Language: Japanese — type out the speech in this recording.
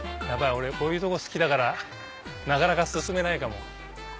俺こういうとこ好きだからなかなか進めないかも。